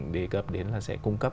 đề cập đến là sẽ cung cấp